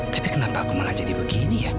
tapi kenapa aku mengajak dia begini ya